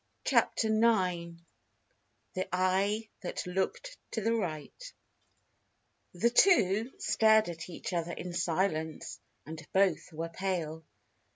CHAPTER IX THE EYE THAT LOOKED TO THE RIGHT The two stared at each other in silence, and both were pale.